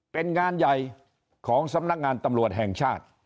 เป็นงานใหญ่ของสำนักงานตำรวจแห่งชาติ